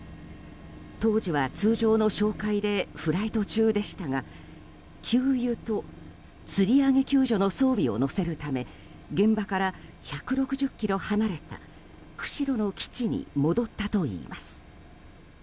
当時は、通常の哨戒でフライト中でしたが給油とつり上げ救助の装備を載せるため現場から１６０ｋｍ離れた釧路の基地に戻ったといいます。